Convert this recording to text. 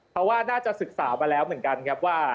เพราะว่าน่าจะศึกษามาแล้วเหมือนกันครับว่า